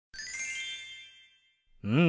うん！